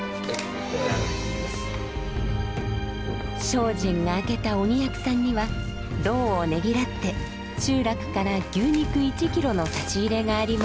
精進が明けた鬼役さんには労をねぎらって集落から牛肉１キロの差し入れがあります。